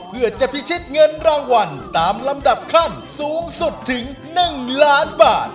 เพื่อจะพิชิตเงินรางวัลตามลำดับขั้นสูงสุดถึง๑ล้านบาท